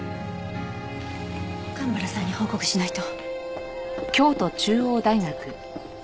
蒲原さんに報告しないと。